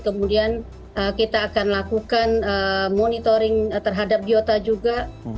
kemudian kita akan lakukan monitoring terhadap biota juga